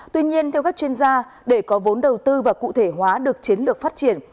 tuy nhiên theo các chuyên gia để có vốn đầu tư và cụ thể hóa được chiến lược phát triển